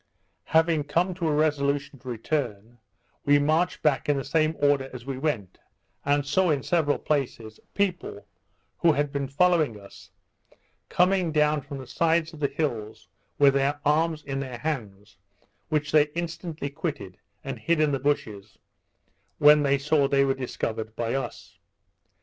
Having come to a resolution to return, we marched back in the same order as we went, and saw, in several places, people, who had been following us, coming down from the sides of the hills with their arms in their hands, which they instantly quitted, and hid in the bushes, when they saw they were discovered by us.